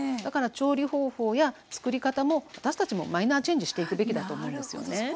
だから調理方法や作り方も私たちもマイナーチェンジしていくべきだと思うんですよね。